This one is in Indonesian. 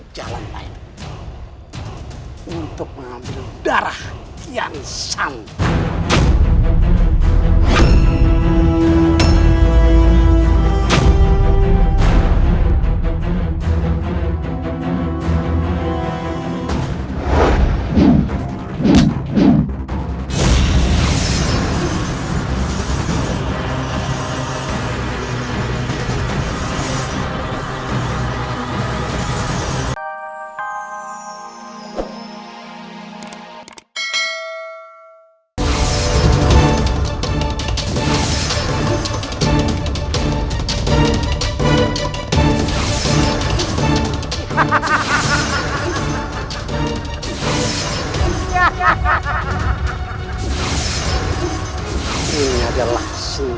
jalan lain untuk mengambil darah kian santai